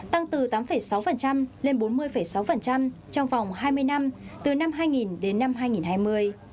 tăng từ tám sáu lên bốn mươi sáu trong vòng hai mươi năm từ năm hai nghìn đến năm hai nghìn hai mươi